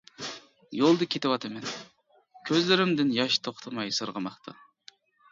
يولدا كېتىۋاتىمەن، كۆزلىرىمدىن ياش توختىماي سىرغىماقتا.